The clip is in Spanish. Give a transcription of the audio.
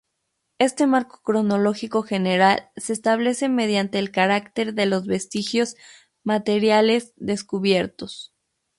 Este marco cronológico general se establece mediante el carácter de los vestigios materiales descubiertos.